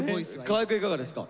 河合くんいかがですか？